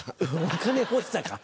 お金欲しさか。